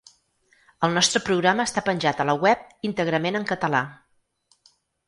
El nostre programa està penjat a la web íntegrament en català.